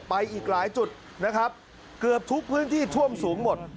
อีกหลายจุดนะครับเกือบทุกพื้นที่ท่วมสูงหมด